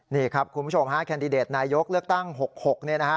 นี่ครับคุณผู้ชมฮะแคนดิเดตนายกเลือกตั้ง๖๖เนี่ยนะฮะ